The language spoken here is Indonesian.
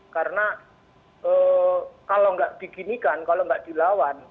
karena kalau tidak diginikan kalau tidak dilawan